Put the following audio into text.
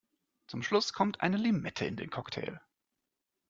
Zum Schluss kommt eine Limette in den Cocktail.